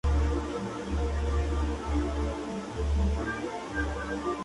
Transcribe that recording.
Administrativamente, pertenece al territorio de Nunavut.